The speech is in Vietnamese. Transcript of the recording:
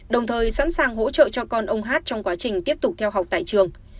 đồng thời sẵn sàng hỗ trợ cho con ông hát trong quá trình tiếp tục theo học tại trường